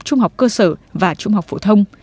trung học cơ sở và trung học phổ thông